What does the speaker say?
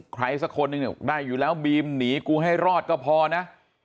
ใครสักคนหนึ่งได้อยู่แล้วบีมหนีกูให้รอดก็พอนะ